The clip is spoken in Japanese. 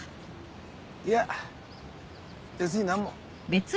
いや別に何も。